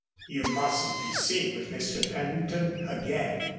You mustn't be seen with Mr. Pennington again."